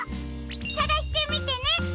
さがしてみてね！